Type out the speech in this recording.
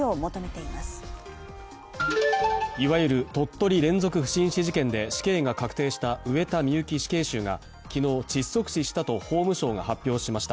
いわゆる鳥取連続不審死事件で死刑が確定した上田美由紀死刑囚が昨日、窒息死したと法務省が発表しました。